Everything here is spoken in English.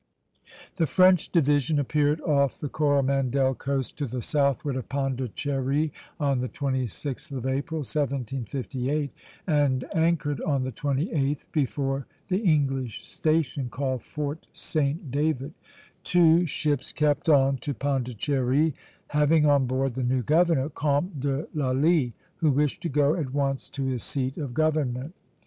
The French division appeared off the Coromandel coast to the southward of Pondicherry on the 26th of April, 1758, and anchored on the 28th before the English station called Fort St. David. Two ships kept on to Pondicherry, having on board the new governor, Comte de Lally, who wished to go at once to his seat of government.